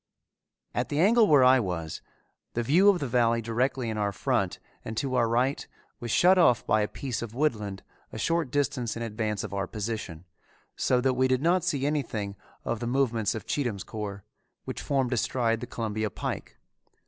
At the angle where I was, the view of the valley directly in our front and to our right was shut off by a piece of woodland a short distance in advance of our position, so that we did not see anything of the movements of Cheatham's corps, which formed astride the Columbia Pike.